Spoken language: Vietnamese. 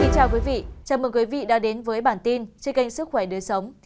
chào mừng quý vị đã đến với bản tin trên kênh sức khỏe đời sống